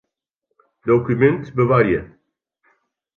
Dokumint bewarje.